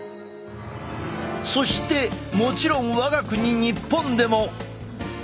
そしてもちろん我が国日本でも！